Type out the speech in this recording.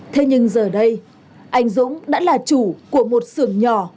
thế nhưng giờ đây anh dũng đã là chủ của một sưởng nhỏ